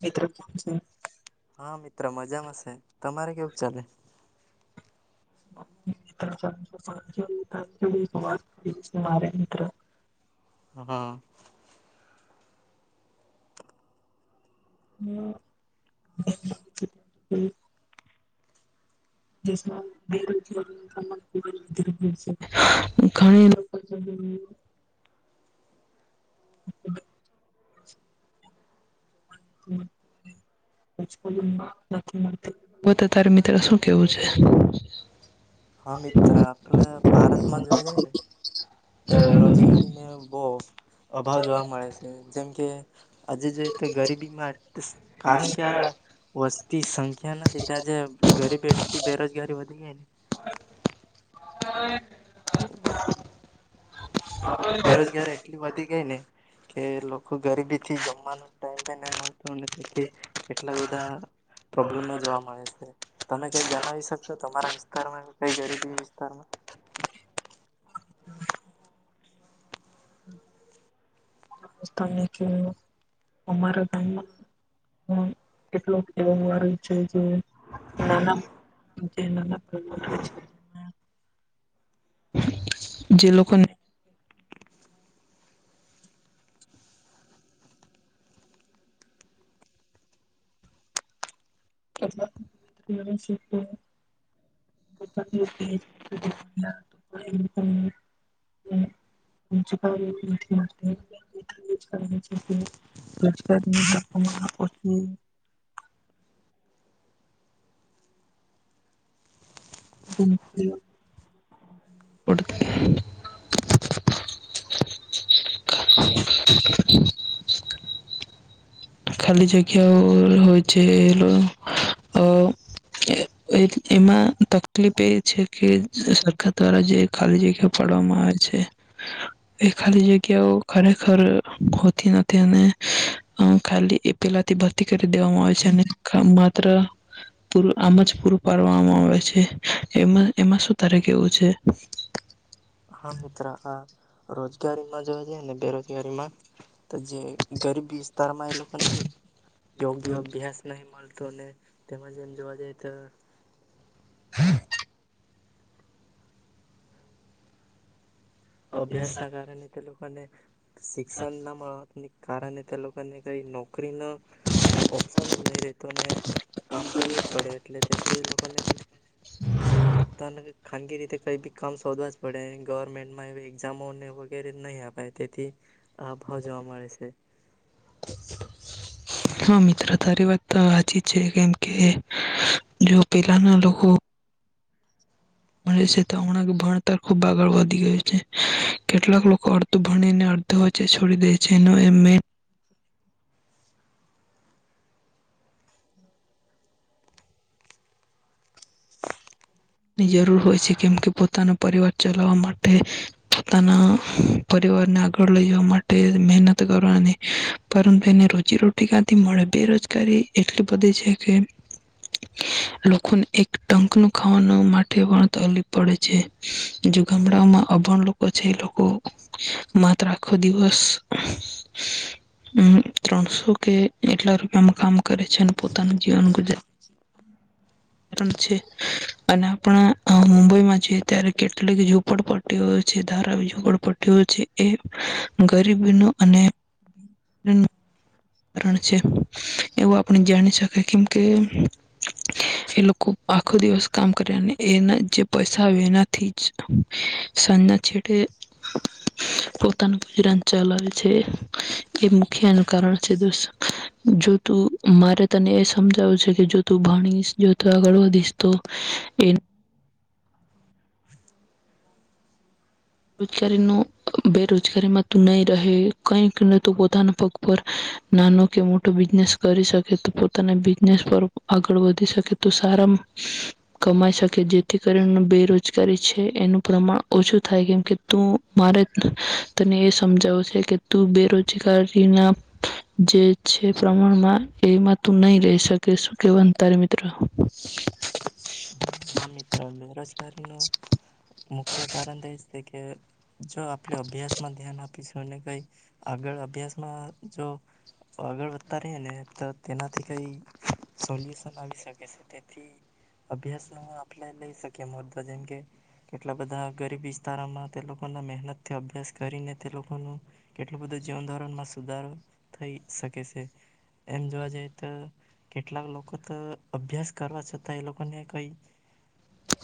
મિત્ર કેમ છે? હા મિત્ર મજામાં શે તમારે કેવુંક ચાલે? [unintelligible] વાત કરવી છે મારે મિત્ર હ. [inaudible] હમ્મ. દેશમાં બેરોજગારીનું પ્રમાણ ઘણું વધી રહ્યું છે ઘણી લોકો [unintelligible] બ તો તારે મિત્ર શું કેવું છે? હા મિત્ર આપલે ભારતમાં જોવા જાય ને. તો રોજગારીને એમ. બહ અભાવ જોવા મળે છે જેમ કે. આજે જો તો ગરીબીમાં કારણ કે આ વસ્તી સંખ્યા ના લીધે આજે ગરીબી એટલી બેરોજગારી વધી જાય ને. હમ. બેરોજગારી એટલી વધી ગઈ ને. કે લોકો ગરીબી થી જમવાનું ટાઈમ પે ન મળ. તેથી કેટલા બધા પ્રોબ્લેમમાં જોવા મળે છે તમે કઈ જણાવી શકશ. તમારા વિસ્તારમાં કઈ ગરીબી વિસ્તારમાં. તમે કેવ અમારા ગામમાં કેટલો એવ વારું છે જે નાના [unintelligible] જે લોકોકન. [unintelligible] બ. પડ. ખાલી જગ્યાઓ હોય છે એ અ એમાં તકલીફ એ છે કે સરકાર દ્વારા જે ખાલી જગ્યા પાડવામાં આવે છે એ ખાલી જગ્યાઓ ખરેખર હોતી નથી અને અ ખાલી એ પેલાથી ભરતી કરી દેવામાં આવે છે અને માત્ર પૂરું આમ જ પૂરું પાડવામાં આવે છે એમાં એમાં શું તારે કેવું છે. હા મિત્ર આ રોજગારીમાં જોવા જઈએ ને બેરોજગારીમાં તો જે ગરીબી તારમાં એ લોકોને યોગ્ય અભ્યાસ નહી મળ. તો તેમાં જેમ જોવા જઈએ તો અભ્યાસ ના કાર તે લોકો. મને. શિક્સન ના મળ. ની કારણે તે લોકોકને કઈ નોકરી ન. ઓપ્શનલ નહી રેતો ને કામ કરવું જ પડે એટલે. તે લોકોને. તને. ખાનગી રીતે કઈ બી કામ શોધવા જ પડે ગવર્મેન્ટ. એઝામોને વગેરે નહી અપાય તેથી. આ ભાવ જોવા મળે છે. હા મિત્ર તારી વાત તો હાચી જ છે કેમ કે જો પેલાના લોકો ભણે સે તો ભણતર ખૂબ આગળ વધી ગયું છે કેટલાક લોકો અડધું ભણીને અડધો વચ્ચે છોડી દે છે એનું એ મે ની જરૂર હોય છે કેમ કે પોતાના પરિવાર ચલાવા માટે પોતાના પરિવારને આગળ લઈવા માટે મહેનત કરવાની પરંતુ એને રોજીરોટી ક્યાંથી મળે બેરોજગારી એટલી બધી છે કે લોકોને એક ટંક નુ ખાવાનું માટે પણ તકલીફ પડે છે જો ગામડાઓમાં અભણ લોકો છે એ લોકો માત્ર આખો દિવસમ ત્રણસો કે એટલા રૂપિયામાં કામ કરે છે અને પોતાનું જીવન ગુજ છે. અને આપણા મુંબઈમાં જએ ત્યારે કેટલીક ઝુંપડપટ્ટીઓ છે ધારાવ ઝુંપડપટ્ટીઓ છે એ ગરીબીનું અને રન છે એવું આપણે જાણી શકીએ કેમ કે એ લોકો આખો દિવસ કામ કરે અને એના જે પૈસા આવે એનાથી જ સાંજના છેડે પોતાનું ગુજરાન ચલાવે છે એ મુખ્ય એનું કારણ છે દોસ્ત જો તું મારે તને એ સમજાવું છે કે જો તું ભણીશ જો તું આગળ વધીશ તો એ રોજગારી નુ બેરોજગારીમાં તું નહી રહે કઈકને તું પોતાના પગ પર નાનો કે મોટો બિઝનેસ કરી શકે તો પોતાના બિઝનેસ પર આગળ વધી શકે તો સારા કમાઈ શકે જેથી કરી બેરોજગારી છે એનું પ્રમાણ ઓછું થાય. કેમ કે તું મારે તને એ સમજાવ છે કે તું બેરોજગારી ના જે છે પ્રમાણમાં એમાં તું નહી રહી શકે. શું કેવા તારે મિત્ર? હા મિત્ર બેરોજગારી ન મુખ્ય કારણ તો એ છે કે જો આપણે અભ્યાસમાં ધ્યાન આપીશું કઈ આગળ અભ્યાસમાં જો આગળ વધતા ર ને તો તેનાથી કઈ સોલ્યુશન આવી શકે છે. તેથી અભ્યાસ નુ આપલે લય શકે મુદો જેમ કે કેટલા બધા ગરીબ વિસ્તારોમાં તે લોકોના મહેનતથી અભ્યાસ કરીને તે લોકોનું કેટલું બધું જીવન ધોરણમાં સુધારો થઈ શકે છે. એમ જોવા જઈ તો કેટલાક લોકો તો અભ્યાસ કરવા છતાં એ લોકોને કઈ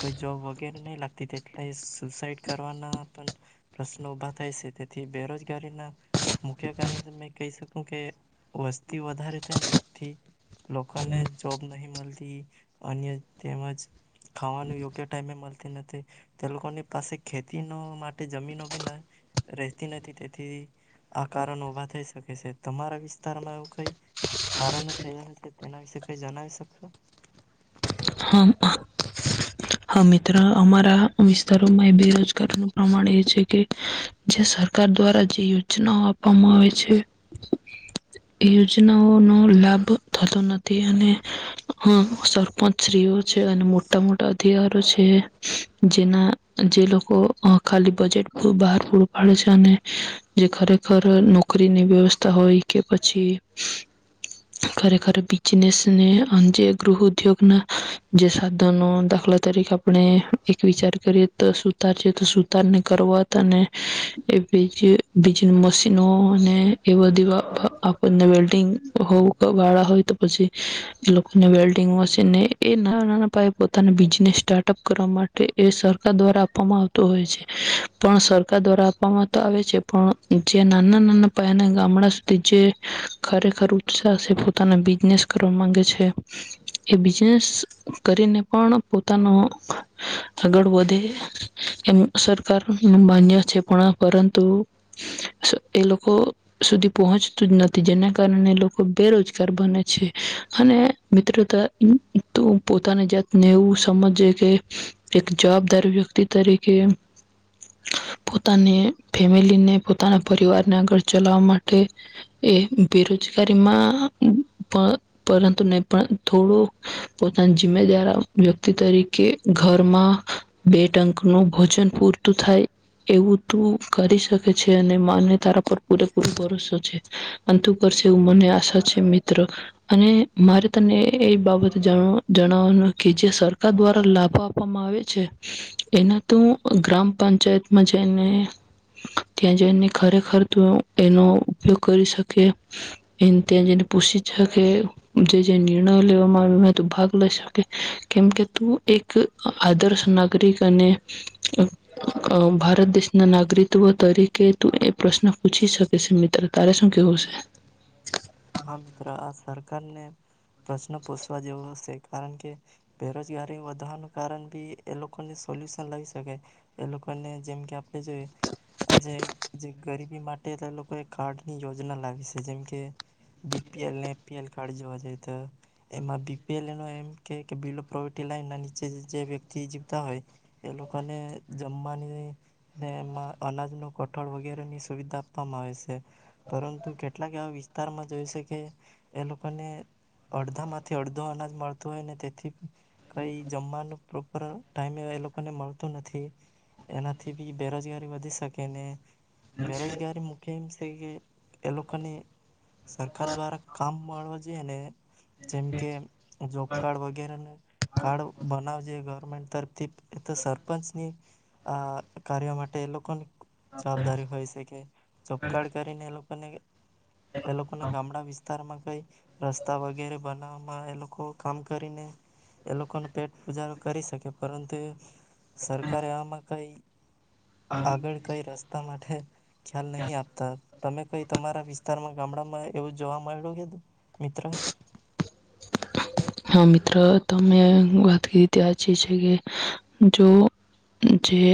કોઈ જોબ વગેરે નહી લાગતી. એટલે સુસાઈડ કરવાના પણ પ્રશ્નો ઉભા થાય શે. તેથી બેરોજગારીના મુખ્ય કારણ તમને કહી શકુ કે વસ્તી વધારે થાય ને તેથી લોકોને જોબ નહી મળતી અન્ય તેમજ ખાવાનું યોગ્ય ટાઈમે મળ નથી તે લોકોની પાસે ખેતી નો માટે જમીનો ભી ન રહેતી નથી તેથી આ કારણ ઉભા થઈ શ [unintelligible] તમારા વિસ્તારમાં એવું કઈ કારણ થયા છે. તેના વિશે કઈ જણાવી શકશો? હા મિત્ર અમારા વિસ્તારોમાં બેરોજગારીનું પ્રમાણ એ છે કે જે સરકાર દ્વારા જે યોજનાઓ આપવામાં આવે છે. એ યોજનાઓનો લાભ થતો નથી અને હ સરપંચ સ્ત્રીઓ છે અને મોટા મોટા અધિકારો છે જેના જે લોકો આ ખાલી બજેટ બહાર પૂરું પાડે છે અને જે ખરેખર નોકરીની વ્યવસ્થા હોય કે પછી ખરેખર બિજનેસને જે ગૃહ ઉદ્યોગના જે સાધનો દાખલા તરીકે આપણે એક વિચાર કરીએ તો સુતાર છે તો સુતારને કરવા તા અને એ બીજી મશીનો અને એ બધી અ આ આપણને વેલ્ડંગ વાળા હોય તો પછી એ લોકોને વેલ્ડંગ મશીનને એ નાના નાના પાયે પોતાના બિઝનેસ સ્ટાર્ટઅપ કરવા માટે એ સરકાર દ્વારા આપવામાં આવતો હોય છે. પણ સરકાર દ્વારા આપવામાં તો આવે છે પણ જે નાના નાના પાયાના ગામડા સુધી જે ખરેખર ઉત્સાહ [unintelligible] પોતાના બિઝનેસ કરવા માંગે છે એ બી નેસ કરીને પણ પોતાનો આગળ વધે એમ સરકાર નુ માન્ય છે. પણ પરંતુ એ લોકો સુધી પહોંચતું જ નથી. જેના કારણે એ લોકો બેરોજગાર બને છે અને મિત્રતા તો પોતાની જાતને એવું સમજજે કે એક જવાબદાર વ્યક્તિ તરીકે પોતાની ફેમિલીને પોતાના પરિવારને આગળ ચલાવવા માટે એ બેરોજગારીમાંપ પરંતુ નહી પણ થોડુંક પોતાના જિમ્મેદાર વ્યક્તિ તરીકે ઘરમાં બે ટંક નું ભોજન પૂરતું થાય. એવું તું કરી શકે છે અને માન્ય તારા પર પૂરેપૂર ભરોસો છે અને તું કરશે એવું મને આશા છે મિત્ર અને મારે તને એ બાબત જણાવવાનું કે જે સરકાર દ્વારા લાભો આપવામાં આવે છે. એના તું ગ્રામ પંચાયતમાં જઈને ત્યાં જઈને ખરેખર તું એનો ઉપયોગ કરી શકે. ને ત્યાં જઈને પૂછી શકે જે જે ને લેવામાં આવ્યું ને ભાગ લઈ શકે કેમ કે તું એક આદર્શ નાગરિક અને અ ભારત દેશના નાગરિકવ તરીકે તું એ પ્રશ્ન પૂછી શકે છે મિત્ર તારે શું કેવું છે? હા મિત્ર આ સરકારને પ્રશ્ન પૂછવા જેવો હશે. કારણ કે બેરોજગારી વધવાનું કારણ ભી એ લોકોને સોલ્યુશન લઈ શકાય. એ લોકોને જેમ કે આપણે જો આજ ગરીબી માટે એ લોકો કાર્ડની યોજના લાવી શે. જેમકે બી પી એલ ને એ પી એલ કાર્ડ જોવા જઈ. તો એમાં બી પી એલ એમ કે બિલો પ્રોવર્ટી લાઈન ના નીચે જે વ્યક્તિ જીવતા હોય એ લોકોને જમવાની ને એમાં અનાજ નુ કઠોળ વગેરે ની સુવિધા આપવામાં આવે શે પરંતુ કેટલાક એવા વિ વિસ્તારમાં જોઈ શકે એ લોકોને અડધા માંથી અડધો અનાજ મળતું હોય ને તેથી કઈ જમવાનું પ્રોપર ટાઈમે એ લોકોને મળતું નથી. એનાથી ભી બેરોજગારી વધી શકે ને બેરોજગારી મુખ્ય થઈ ગઈ એ લોકોની સરકાર દ્વારા કામ પણ જે એને જેમ કે જોબ કાર્ડ વગેરેને કાર્ડ બનાવજે મંતર થી એ તો સરપંચની આ કાર્યો માટે એ લોકોની જવાબદારી હોય શે કે જોબકાર્ડ કરીને એ લોક અને કે એ લોકો ના ગામડા વિસ્તાર વિસ્તારમાં કઈ રસ્તા વગેરે બનાવવામાં એ લોકો કામ કરીને એ લોકો ને પેટ પુજા કરી શકે પરંતુ સરકારે આમાં કઈ આગળ કઈ રસ્તામાં થ ખ્યાલ નહી આપતા તમે કઈ તમારા વિ ગામડામાં એવું જોવા મળમાંયું મિત્ર હ મિત્ર તમે વાત કરી ત્યાચી છે કે જો જે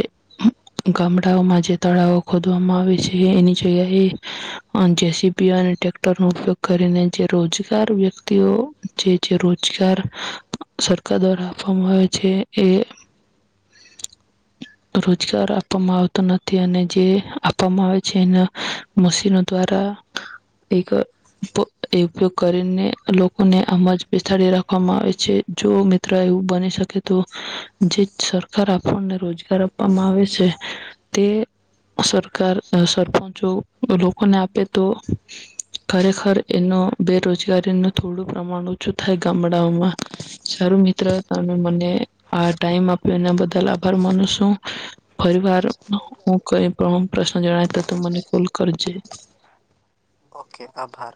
ગામડાઓમાં જે તળાવો ખોદવામાં આવે છે એની જગ્યાએ જેસીબી અને ટેક્ટર ન ઉપયોગ કરીને જે રોજગાર વ્યક્તિઓ જે સરકાર દ્વારા આપવામાં આવે છે એ રોજગાર આપવામાં આવતો નથી અને જે આપવામાં આવે છે એના મશીનો દ્વારા એક ઉપયોગ કરીને લોકોને આમ જ ળ રાખવામાં આવે છે જો મિત્ર એવું બની શકે તો જે સરકાર આપણને રોજગાર આપવામાં આવે છે તે સરકાર સરપંચો લોકોને આપે તો ખરેખર એનો બેરોજગારીનું થોડું પ્રમાણ થાય ગામડાઓમાં સારું મિત્ર હતા અને મને આ ટાઈમ આપ્યો એના બદલ આભાર માનું છું ફરીવાર હું કઈ પણ પ્રશ્ન જણાય તો તો મને કોલ કરજે ઓકે આભાર.